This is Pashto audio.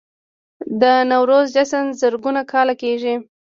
د نوروز جشن زرګونه کاله کیږي